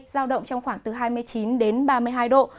giao động trong khoảng từ hai mươi chín đến ba mươi hai độ